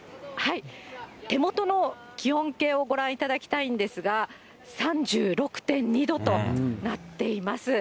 手元の気温計をご覧いただきたいんですが、３６．２度となっています。